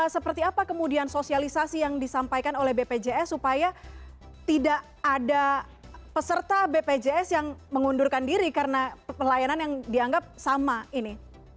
seperti apa kemudian sosialisasi yang disampaikan oleh bpjs supaya tidak ada peserta bpjs yang mengundurkan diri karena pelayanan yang dianggap sama ini